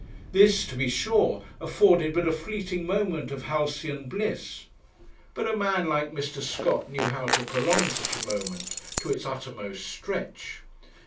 This, to be sure, afforded but a fleeting moment of halcyon bliss; but a man like Mr. Scott knew how to prolong such a moment to its uttermost stretch.